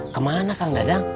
kemana kang dadang